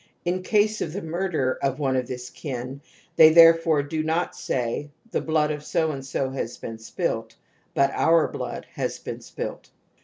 In case of the murder of one of this kin they therefore do not say : the blood of so and so has been spilt, but our blood has been spilt.